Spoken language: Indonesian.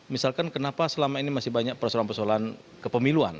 misalkan kenapa selama ini masih banyak persoalan persoalan kepemiluan